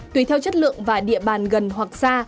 tùy theo chất lượng và địa bàn gần hoặc xa